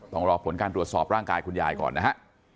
ต้องรอผลการตรวจสอบร่างกายคุณยายก่อนนะฮะ